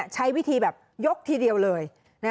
ใช้วิธีแบบยกทีเดียวเลย